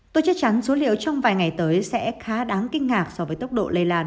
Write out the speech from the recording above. tôi chắc chắn số liệu trong vài ngày tới sẽ khá đáng kinh ngạc so với tốc độ lây lan